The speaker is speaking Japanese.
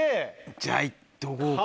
じゃあいっとこうか。